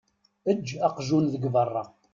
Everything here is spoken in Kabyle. Eǧǧ aqjun deg beṛṛa.